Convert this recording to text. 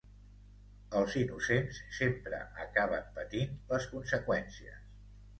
Els innocents sempre acaben patint les conseqüències.